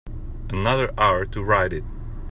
Another hour to write it.